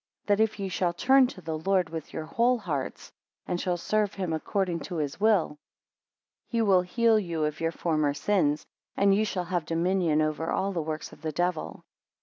32 That if ye shall turn to the Lord with your whole hearts, and shall serve him according to his will; he will heal you of your former sins, and ye shall have dominion over all the works of the devil.